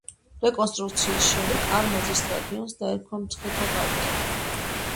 რეკონსტრუქციის შემდეგ არმაზის სტადიონს დაერქვა მცხეთა პარკი.